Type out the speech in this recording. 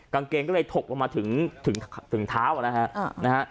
กางเกงก็เลยถกลงมาถึงเท้านะฮะ